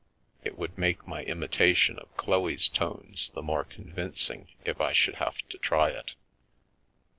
It would make my imitation of Chloe's tones the more convincing if I should have to try it.